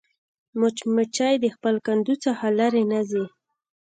مچمچۍ د خپل کندو څخه لیرې نه ځي